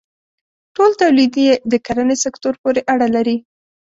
ټول تولید یې د کرنې سکتور پورې اړه لري.